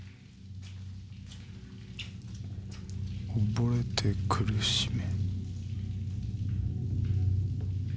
溺れて苦しめ